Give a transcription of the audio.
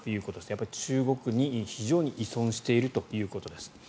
やっぱり中国に非常に依存しているということです。